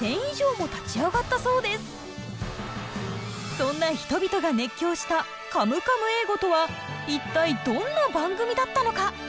そんな人々が熱狂したカムカム英語とは一体どんな番組だったのか？